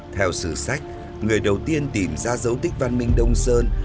theo sử sách người đầu tiên tìm ra dấu tích văn minh đông sơn